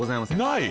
ない？